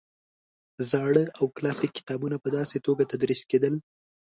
زاړه او کلاسیک کتابونه په داسې توګه تدریس کېدل.